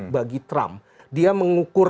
bagi trump dia mengukur